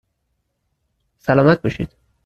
سلامت باشید